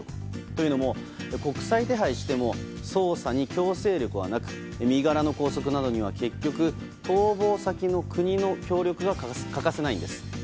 というのも国際手配しても捜査に強制力はなく身柄の拘束などには結局逃亡先の国の協力が欠かせないんです。